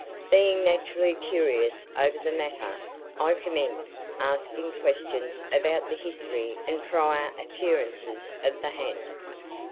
Being naturally curious over the matter, I commenced asking questions about the history and prior appearances of the ha'nt.